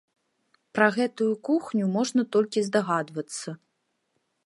Пра гэтую кухню можна толькі здагадвацца.